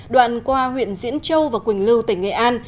đoạn qua huyện diễn châu và quỳnh lưu tỉnh nghệ an